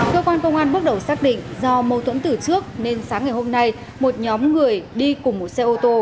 cơ quan công an bước đầu xác định do mâu thuẫn từ trước nên sáng ngày hôm nay một nhóm người đi cùng một xe ô tô